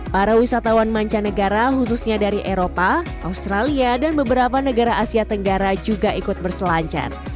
para wisatawan mancanegara khususnya dari eropa australia dan beberapa negara asia tenggara juga ikut berselancar